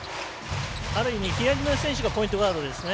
ある意味、比江島選手がポイントガードですね。